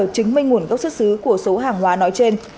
chứng minh nguồn gốc xuất xứ của số hàng hóa nói trên